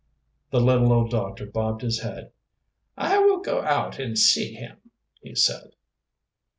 The little old doctor bobbed his head. "I will go out and see him," he said.